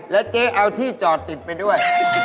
แล้วเจ๊เอาที่จอดติดไปด้วย